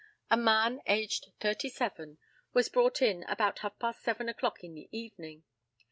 A man, aged thirty seven, was brought in about half past seven o'clock in the evening.